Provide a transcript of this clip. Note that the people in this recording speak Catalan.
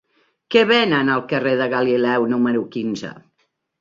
Què venen al carrer de Galileu número quinze?